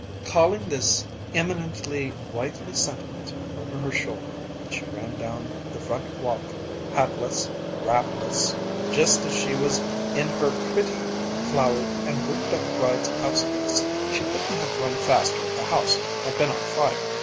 Calling this eminently wifely sentiment over her shoulder she ran down the front walk, hatless, wrapless, just as she was in her pretty flowered and looped up bride's house dress. She couldn't have run faster if the house had been on fire.